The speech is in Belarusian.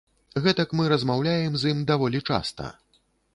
Гэтак мы размаўляем з ім даволі часта.